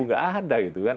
nggak ada gitu kan